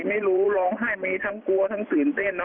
ไม่รู้ร้องไห้มีทั้งกลัวทั้งตื่นเต้นนะ